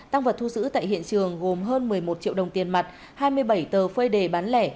tăng vật thu giữ tại hiện trường gồm hơn một mươi một triệu đồng tiền mặt hai mươi bảy tờ phơi đề bán lẻ